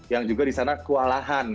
yang juga di sana kewalahan